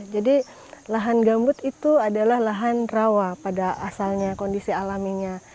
jadi lahan gambut itu adalah lahan rawa pada asalnya kondisi alaminya